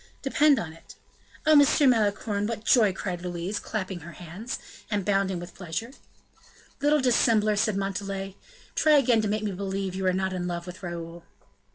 "Depend on it." "Oh! Monsieur Malicorne, what joy!" cried Louise, clapping her hands, and bounding with pleasure. "Little dissembler!" said Montalais, "try again to make me believe you are not in love with Raoul."